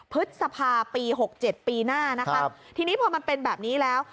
พฤษภาพีหกเจ็ดปีหน้านะครับทีนี้พอมันเป็นแบบนี้แล้ว